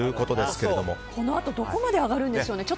このあとどこまで上がるんでしょうね。